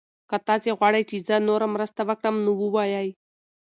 که تاسي غواړئ چې زه نوره مرسته وکړم نو ووایئ.